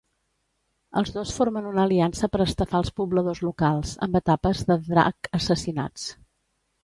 Els dos formen una aliança per estafar als pobladors locals, amb etapes de drac assassinats.